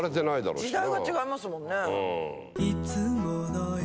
時代が違いますもんね。